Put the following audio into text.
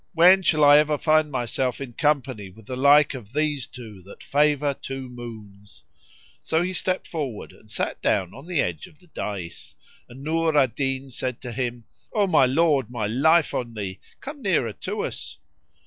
When shall I ever find myself in company with the like of these two that favour two moons?" So he stepped forward and sat down on the edge of the daïs, and Nur al Din said to him, "O my lord, my life on thee, come nearer to us!"